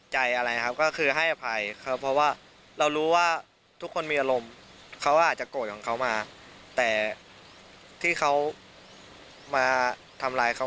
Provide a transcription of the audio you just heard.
ให้ให้ภัยครับให้ภัย